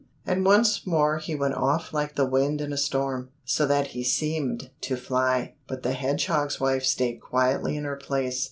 And once more he went off like the wind in a storm, so that he seemed to fly. But the hedgehog's wife stayed quietly in her place.